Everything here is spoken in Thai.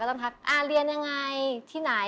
ต้องทักเรียนยังไงที่ไหน